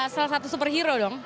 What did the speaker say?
salah satu superhero dong